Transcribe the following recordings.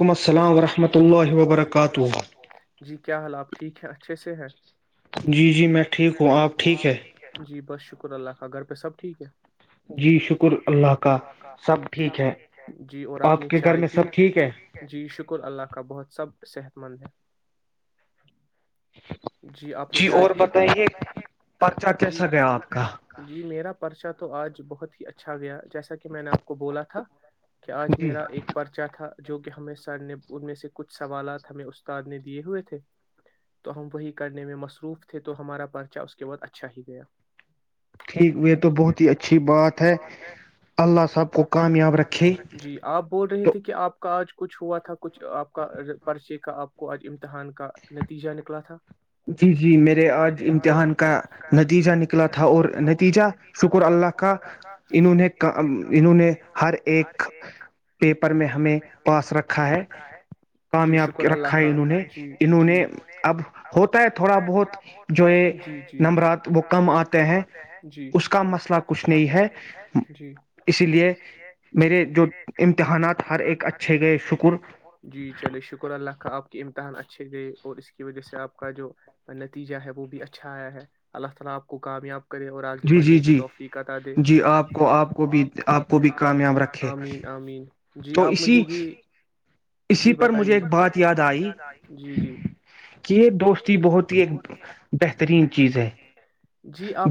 وعلیکم السلام ورحمۃ اللہ وبرکاتہ جی کیا حال آپ ٹھیک ہے اچھے سے ہے جی جی میں ٹھیک ہوں آپ ٹھیک ہے شر اللہ کا گھر پہ سب ٹھیک ہے جی شکر اللہ کا سب ٹھیک ہے اپنی چائے پیبھیک جی شکر اللہ کا بہت سب صحت مند ہے جی آپ نے چائے پی جی جی میرا [inaudible] پرچا تو آج بہت ہی اچھا گیا جیسا کہ میں نے آپ کو بولا تھا کہ آج میرا ایک پرچہ تھا جو کہ ہمیں سر نے ان میں سے کچھ سوالات ہمیں استاد نے دیے ہوئے تھے تو ہم وہی کرنے میں مصروف تھے تو ہمارا پرچہ اس کے بعد اچھا ہی گیا ٹھیک یہ تو بہت ہی اچھی بات ہے اللہ صاحب کو کامیاب رکھے آپ بول رہے تھے کہ آپ کا آج کچھ ہوا تھا کچھ آپ کا پرچے کا آپ کو آج امتحان کا نتیجہ نکلا تھا جی جی میرے آج امتحان کا نتیجہ نکلا تھا اور نتیجہ شکر اللہ کا انہوں نے انہوں نے ہر ایک پیپر میں ہمیں پاس رکھا ہے کامیاب رکھا ہے انہوں نے انہوں نے اب ہوتا ہے تھوڑا بہت جو یہ نمبرات وہ کم آتے ہیں اس کا مسئلہ کچھ نہیں ہے اسی لیے میرے جو امتحانات ہر ایک اچھے گئے شکر امتحان اچھے اور اس کی وجہ سے اپ کا جو نتیجہ ہے وہ بھی اچھا ایا ہے اللہ تعالی اپ کو کامیاب جی جی جی جی آپ کو آپ کو بھی آپ کو بھی کامیاب ہے آمین آمین جی آپ مجھے یہ اسی پر مجھے ایک بات یاد آئی کہ یہ دوستی بہت ہی ایک بہترین چیز ہے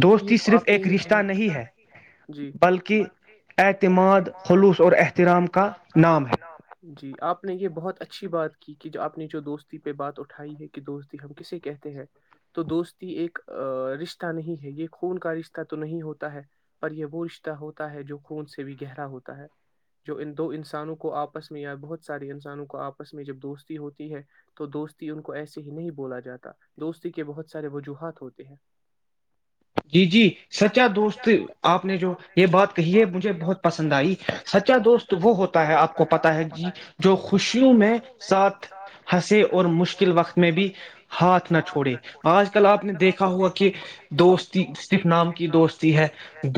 دوستی صرف ایک رشتہ نہیں ہے بلکہ اعتماد خلوص اور احترام کا نام ہے جی آپ نے یہ بہت اچھی بات کی کہ آپ نے جو دوستی پہ بات اٹھائی ہے کہ دوستی ہم کسے کہتے ہیں تو دوستی ایک رشتہ نہیں ہے یہ خون کا رشتہ تو نہیں ہوتا ہے پر یہ وہ رشتہ ہوتا ہے جو خون سے بھی گہرا ہوتا ہے جو ان دو انسانوں کو آپس میں یا بہت سارے انسانوں کو آپس میں جب دوستی ہوتی ہے تو دوستی ان کو ایسے ہی نہیں بولا جاتا دوستی کے بہت سارے وجوہات ہوتے ہیں جی جی سچا دوست آپ نے جو یہ بات کہی ہے مجھے بہت پسند آئی سچا دوست وہ ہوتا ہے آپ کو پتا ہے ج جو خوشیوں میں ساتھ ہنسے اور مشکل وقت میں بھی ہاتھ نہ چھوڑے آج کل آپ نے دیکھا ہوا کہ دوست صرف نام کی دوستی ہے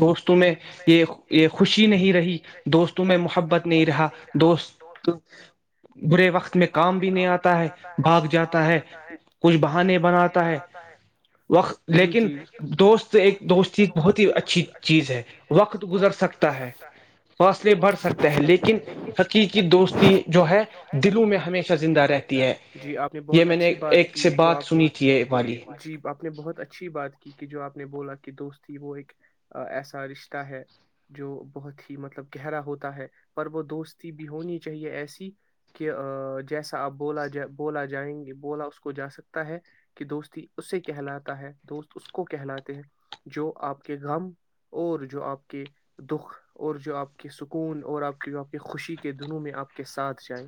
دوستوں میں یہ یہ خوشی ی نہیں رہی دوستوں میں محبت نہیں رہا دوست برے وقت میں کام بھی نہیں آتا ہے بھاگ جاتا ہے کچھ بہانے بناتا ہے وقت لیکن دوست ایک دوستی بہت ہی اچھی چیز ہے وقت گزر سکتی لیکنوں میںہ رہتی جی آپ نے بہت اچھی بات کی جو آپ نےنی جی آپ نے بہت اچھی بات کی کہ جو آپ نے بولا کہ دوستی وہ ایک ایسا رشتہ ہے جو بہت ہی مطلب گہرا ہوتا ہے پر وہ دوستی بھی ہونی چاہیے ایسی کہ جیسا آپ بولا ج بولا جائیں گے بولا اس کو جا سکتا ہے کہ دوستی اسے کہلاتا ہے دوست اس کو کہلاتے ہیں جو آپ کے غم اور جو آپ کے دکھ اور جو آپ کے سکون اور آپ کی جو آپ کی خوشی کے دنوں میں آپ کے ساتھ جائیں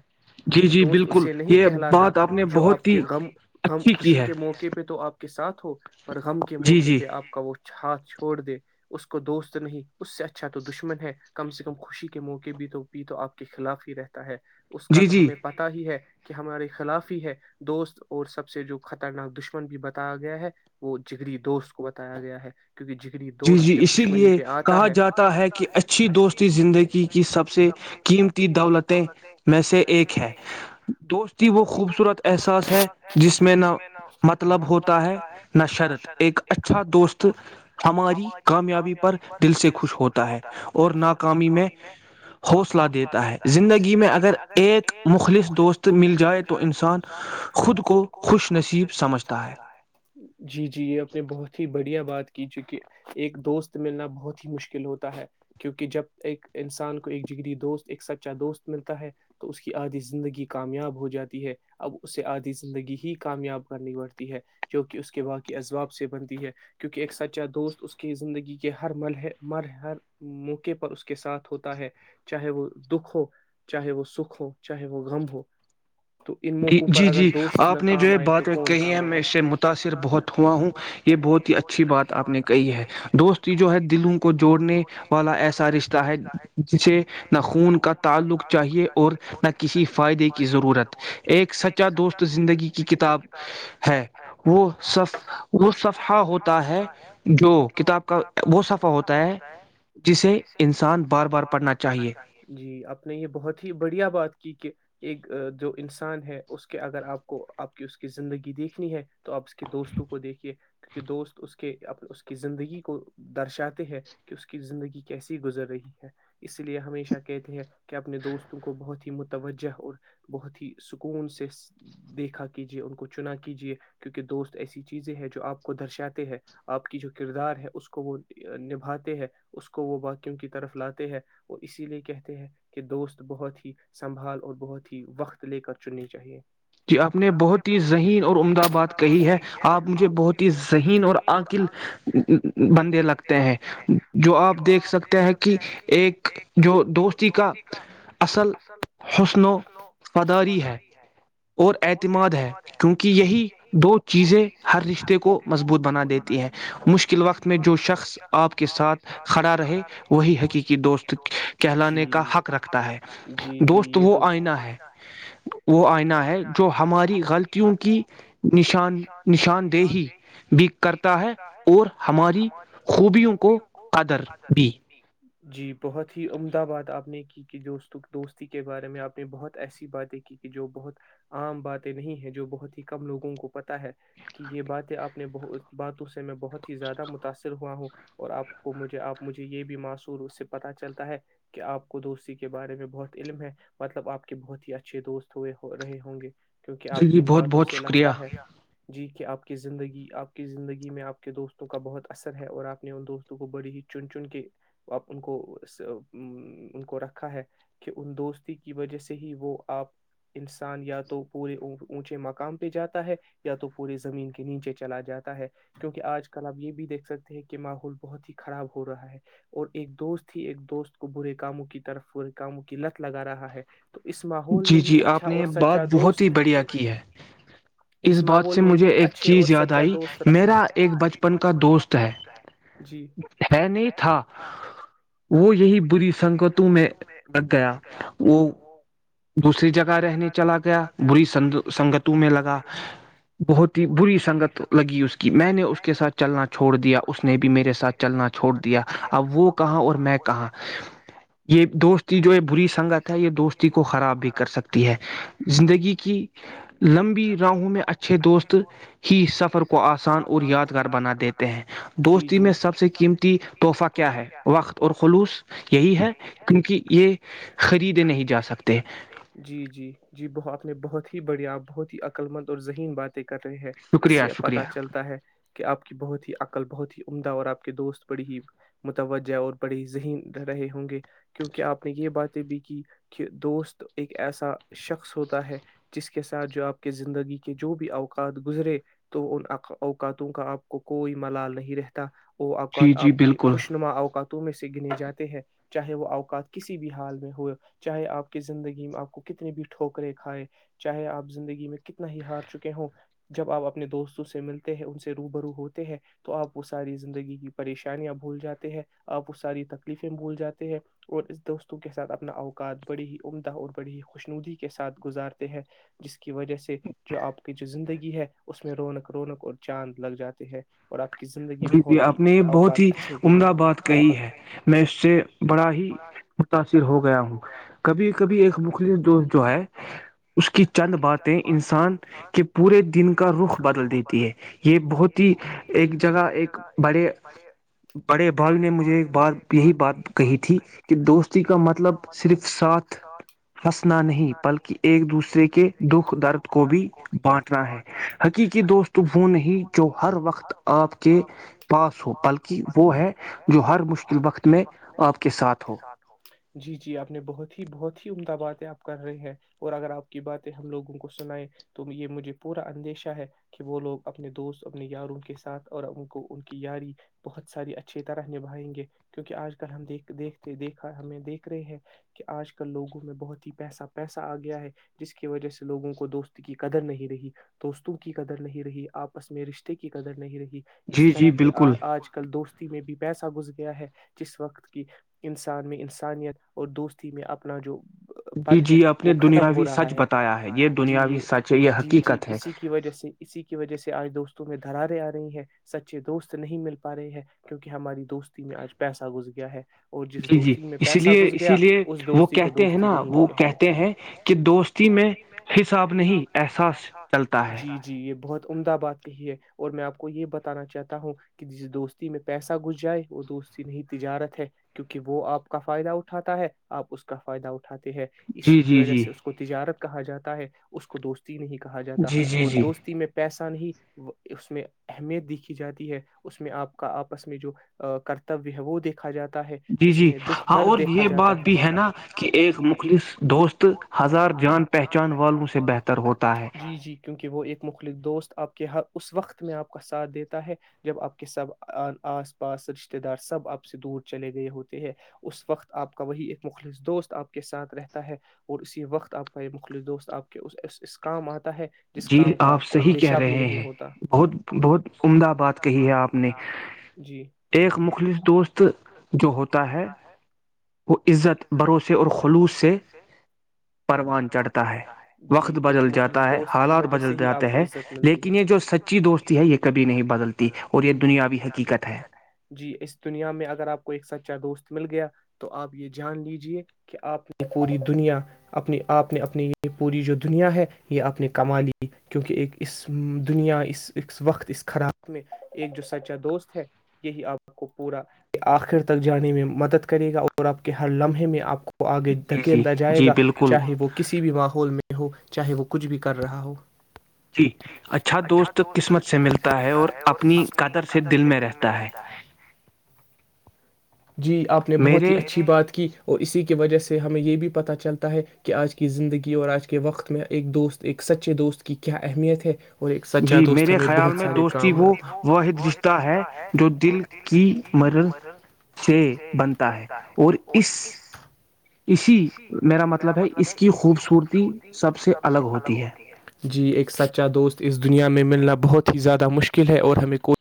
دوست اس سے نہیں کہلاتا جو آپ کے غم غم خوشی کے موقع پہ تو آپ کے ساتھ ہو پر غم کے موقع پہ آپ کا وہ ہاتھ چھوڑ دے اس کو دوست نہیں اس سے اچھا اچھا تو دشمن ہے کم سے کم خوشی کے موقع بھی تو بھی تو آپ کے خلاف ہی رہتا ہے اس کا تو ہمیں پتا ہی ہے کہ ہمارے خلاف ہی ہے دوست اور سب سے جو خطرناک دشمن بھی بتایا گیا ہے وہ جگری دوست کو بتایا گیا ہے کیونکہ جگری دوست جب دشمنی پہ آتا ہے ہے کہ اچھی دوستی زندگی کی سب سے قیمتی دولتیں میں سے ایک ہے دوستی وہ خوبصورت احساس ہے جس میں نہ مطلب ہوتا ہے نہ شرط ایک اچھا دوست ہماری کامیابی پر دل سے خوش ہو خوش ہوتا ہے اور ناکامی میں حوصلہ دیتا ہے زندگی میں اگر ایک مخلص دوست مل جائے تو انسان خود کو خوش نصیب سمجھتا ہے جی جی یہ اپنے بہت ہی بڑھیا بات کی چونکہ ایک دوست ملنا بہت ہی مشکل مکل ہوتا ہے کیونکہ جب ایک انسان کو ایک جگری دوست ایک سچا دوست ملتا ہے تو اس کی آدھی زندگی کامیاب ہو جاتی ہے اب اسے آدھی زندگی ہی کامیاب کرنی پڑتی ہے جو کہ اس کے باقی اسواب سے بنتی ہے کیونکہ ایک سچا دوست اس کی زندگی کے ہر مل ہے مر ہر موقع پر اس کے ساتھ ہوتا ہے چاہے وہ دکھ ہو چاہے وہ سکھ ہو چاہے وہ غم ہو تو ان موقوں پر اگر دوست نہ کام آئے تو کون کام آئے میں اس سے متاثر بہت ہوا ہوں یہ بہت ہی اچھی بات آپ نے کہی ہے دوست جو ہے کو جوڑنے والا ایسا رشتہ ہے جسے نہ خون کا تعلق چاہیے اور نہ کسی فائدے کی ضرورت ایک سچا دوست زندگی کی کتاب ہے وہ ص وہ صفحہ ہوتا ہے جو کتاب کا وہ صفحہ ہوتا ہوتا ہے جسے انسان بار بار پڑھنا چاہیے جی آپ نے یہ بہت ہی بڑھیا بات کی کہ ایک جو انسان ہے اس کے اگر آپ کو آپ کی اس کی زندگی دیکھنی ہے تو آپ اس کے دوستوں کو دیکھیے کیونکہ دوست اس کے کے اپ اس کی زندگی کو درشاتے ہیں کہ اس کی زندگی کیسی گزر رہی ہے اس لیے ہمیشہ کہتے ہیں اپنے دوستوں کو بہت ہی م توجہ اور بہت ہی سکون سے دیکھا کیجے ان کو چنا کیجے کیونکہ دوست ایسی چیزیں ہے جو آپ کو درشاتے ہے آپ کی جو کردار ہے اس کو وہ نبھاتے اس کو وہ واقیوں کی طرف لاتے ہیں وہ اسی لیے کہتے ہیں کہ دوست بہت ہی سنبھال اور بہت ہی وقت لے کر چننی چاہیے ج آپ نے بہت ہی ذہین اور عمدہ بات کہی ہے آپ مجھے بہت ہی ذہین اور عقل بندے لگتے ہیں جو آپ دیکھ سکتے ہیں کہ ایک جو دوستی کا اصل حسن پادری ہے اور اعتماد ہے کیونکہ یہی دو چیزیں ہر رشتے کو مضبوط بنا دیتی ہے مشکل وقت میں جو شخص آپ کے ساتھ کھڑا رہے وہی حقیقی دوست کہلانے کا حق رکھتا ہے دوست وہ آئینہ ہے جو ہماری غلطیوں کی نشاندہی بھی کرتا ہے اور ہماری خوب بیوں کو قدر بھی جی بہت ہی عمدہ بات آپ نے کی کہ دوست دوستی کے بارے میں آپ نے بہت ایسی باتیں کی کہ جو بہت عام باتیں نہیں ہے جو بہت ہی کم لوگوں کو پتا ہے کہ یہ باتیں آپ اپنے بہ باتوں سے میں بہت ہی زیادہ متاثر ہوا ہوں اور آپ کو مجھے آپ مجھے یہ بھی معصور اس سے پتا چلتا ہے کہ آپ کو دوستی کے بارے میں بہت علم ہے کیونکہ آپ کی ان باتوں سے لگتا ہے جی کہ آپ کی زندگی آپ کی زندگییں آپ کے دوستوں کا بہت اثر ہے اور آپ ان دوستوں کو بڑی ہی چن چن کے آپ ان کو ان کو رکھا ہے کہ ان دوستی کی وجہ سے ہی وہ آپ انسان یا تو پورے اونچے مقام پہ جاتا ہے یا تو پورے زمین کے نیچے چلا جاتا ہے کیونکہ آج کل آپ یہ بھی دیکھ سکتے ہیں کہ کے ماحول بہت ہی خراب ہو رہا ہے اور ایک دوست ہی ایک دوست کو برے کاموں کی طرفے کاموں کی لت لگا رہا ہے جی جی آپ نے یہ بات بہت ہی بڑھیا کی ہے اس بات سے مجھے ایک چیز یاد آئی میرا ایک بچپن کا دوست ہے ہے نہیں تھا وہ یہی بری سنگتوں میں لگ گیا وہ دوسری جگہ رہنے چلا گیا بری سن سنگتوں میں لگا بہت ہی بری سنگت لگی اس کی میں نے اس کے ساتھ چلنا چھوڑ دیا اس نے بھی میرے ساتھ چلنا چھوڑ دیا اب وہ کہاں اور میں کہااں یہ دوستی جو ہے بری سنگت ہے یہ دوست کو خراب بھی کر سکتی ہے زندگی کی لمبی راہوں میں اچھے دوست ہی سفر کو آسان اور یادگار بنا دیتے ہیں دوستی میں سب سے قیمتی تحفہ کیا ہے وقت اور خلوص یہی ہے کیونکہ یہ خریدے نہیں جا سکتا سکتے جی جی جی بہت [unintelligible] نے بہت ہی بڑھیا بہت ہی عقللمند اور ذین باتیں کی کر رہی ہے اس سے پتا چلتا ہے کہ آپ کی بہت ہی کل بہت ہی عمدہ اور آپ کے دوست بڑی ہی متوجہ اور بڑے ہی ذہین رہے ہوں گے کیونکہ آپ نے یہ بات دوست ایک ایسا شخص ہوتا ہے جس کے ساتھ جو آپ کے زندگی کے جو بھی اوقات گزرے تو ان اوقاتوں کا آپ کو کوئی ملال نہیں رہتا وہ اوقات آپ کے خوش نما اوقات تو میں سے گنے جاتے ہیں چاہے وہ اوقات کسی بھی حال میں ہوئے چاہے آپ کی زندگی میں آپ کو کتنے بھی ٹھوکرے کھائے چاہے آپ زندگی میں کتنا ہی ہار چکے ہوں جب آپ اپنے دوستوں سے ملتے ہیں ان سے رو برو ہوتے ہیں تو آپ وہ ساری زندگی کی پریشانیاں بھول جاتے ہیں آپ وہ ساری تکلیفیں بھول جاتے ہیں اور اس دوستوں کے ساتھ اپنا اوقات بڑی ہی عمدہ اور بڑی ہی خوشنودی کے ساتھ گزارتے ہیں جس کی وجہ سے جو آپ کی جو زندگی ہے اس میں رونق رونق اور چاند لگ جاتے ہے جی جی آپ نے یہ بہت ہی عمدہ بات کہی ہے میں اس سے بڑا ہی متاثر ہو گیا ہوں کبھی کبھی ایک مخلص دوست جو ہے اس کی چند باتیں انسان کے پورے دن کا رخ بدل دیتی ہے یہ بہت ہی ایک جگہ ایک بڑے بڑے بھاگ نے مجھے ایک بات یہی بات کہی تھی کہ دوستی کا مطلب صرف ساتھ ہنسنا نہیں بلکہ ایک دوسرے کے دکھ درد کو بھی بانٹنا ہے حقیقی دوست وہ نہیں جو ہر وقت آپ کے پاس ہو بلکہ وہ ہے جو ہر مشکل وقت میں آپ کے ساتھ ہو باتیں آپ کر رہے ہیں اور اگر آپ کی باتیں ہم لوگوں کو سنیں تو یہ مجھے پورا اندیشہ ہے کہ وہ لوگ اپنے دوست اپنے یاروں کے ساتھ اور ان کو ان کی یاری بہت ساری اچھی طرح نبھائیں گے کیونکہ آج کل ہم دیکھ دیکھتے دیکھا ہمیں دیکھ رہے ہیں کہ آج کل لوگوں میں بہت ہی پیسا پیسہ آ گیا ہے جس کی وجہ سے لوگوں کو دوست کی قدر نہیں رہی دوستوں کی قدر نہیں رہی آپس میں رشتے کی قدر نہیں رہی اس طرح کے آج کل دوستی میں بھی پیسا گھس گیا ہے جس وقت کی انسان میں انسانیت اور دوستی میں اپنا جو پن ہے وہ ختم ہو رہا ہے جی یہ جی جی اسی کی وجہ سے اسی کی وجہ سے آج دوستوں تہیں دھرارے آ رہی ہیں سچے دوست نہیں مل پا رہے ہیں کیونکہ ہماری دوستی میں آج پیسہ گھس گیا ہے جی جی اس لیے اسی لیے وہ کہتے ہیں نا وہ کہتے ہیں کہ دوستی میں حساب نہیں احساس چلتا ہے امد آباد ہے اور میں آپ کو یہ بتانا چاہتا ہوں کہ جس دوستی میں پیسہ گس جائے وہ دوستی نہیں تجارت ہے کیوںکہ وہ آپ کا فائدہ اٹھاتا ہے آپ اس کا فائدہ ٹھاتے ہیں اسی کی وجہ سے اس کو تجارت کہا جاتا ہے اس کو دوست نہیں کہا جاتا اور دوستی میں پیسہ سان ہی اس میں اہمیت دیکھی جاتی ہے اس میں آپ کا آپس میں جو کرتویہ ہے وہ دیکھ جی جی ہاں اور یہ بات بھی ہے نا کہ ایک مخلص دوست ہزار جان پہچان والوں سے بہتر ہوتا ہے مختلف دوست آپ کہ ہر اس وقت میں آپ کا ساتھ دیتا ہے جب آپ کے سب آس پاس رشتے دار سب آپ سے دور چلے گئے ہوتے ہے اس وقت آپ کا وہی ایک مخلص دوست آپ کے ساتھ رہتا ہےاور اسی وقت آپ کا مخلص دوست آپ کے اس کاامآ ہے جس کام کا آپ کو اندیشہ بھی ہیں بہت بہت عمدہ بات کہی ہے آپ نے ایک مخلص دوست جو ہوتا ہے وہ عزت بھروسے اور خلوص سے پروان چڑھتا ہے وقت بدل جاتا ہے حالات بدل جاتے ہیں لیکن لیکن یہ جو سچی دوستی ہے یہ کبھی نہیں بدلتی وہ یہ دنیاوی حقیقت ہے جی اس دنیا میں اگر آپ کو ایک سچا دوست مل گیا تو آپ یہ جان لیجے کہ آپ نے پوری دنیا اپنی آپ نے اپنی یہ پوری جو دنیا ہے یہ آپ نے کما لی کیونکہ ایک اس دنیا اس اس وقت اس خراب میں ایک جو سچا دوست ہے یہی آپ کو پورا آخر تک جانے میں مدد کرے گا اور آپ کے ہر لمحے میں آپ کو آگے دھکیندا جائے گا چاہے وہ کسی بھی ماحول میں ہو چاہے وہ کچھ بھی کر رہا ہو جی اچھا دوست قسمت سے ملتا ہے اور اپنی قدر سے دل میں رہتا ہے جی آپ نے بہت ہی اچھی بات کی اور اسی کے وجہ سے ہمیں یہ بھی پتا چلتا ہے کہ آج کی زندگی اور آج کے وقت میں ایک دوست ایک سچے دوست کی کیا اہمیت ج جی میرے خیال میں دوستی وہ وحد رشتہ ہے جو دل کی مرض سے بنتا ہے اور اس اسی میرا مطلب ہے اس کی خوبصورتی سب سے الگ ہوتی ہے جی ایک سچا دوست اس دنیا میں ملنا بہت ہی زیادہ مشکل ہے اور ہمیں کوچ